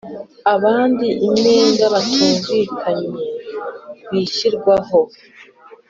abandi imyenda batumvikanye ku ishyirwaho